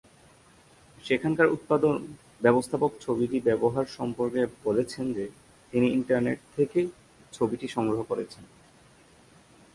সেখানকার উৎপাদন ব্যবস্থাপক ছবিটি ব্যবহার সম্পর্কে বলেছিলেন যে, তিনি ইন্টারনেট থেকে ছবিটি সংগ্রহ করেছেন।